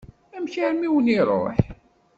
Amek armi i wen-iṛuḥ?